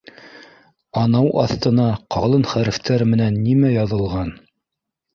— Анау аҫтына ҡалын хәрефтәр менән нимә яҙылған